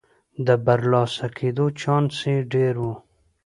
د برلاسه کېدو چانس یې ډېر و.